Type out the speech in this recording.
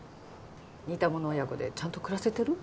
似たもの親子でちゃんと暮らせてる？